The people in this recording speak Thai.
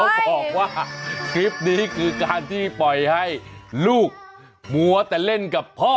บอกว่าคลิปนี้คือการที่ปล่อยให้ลูกมัวแต่เล่นกับพ่อ